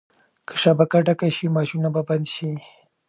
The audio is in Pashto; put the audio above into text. که شبکه ډکه شي ماشینونه به بند شي.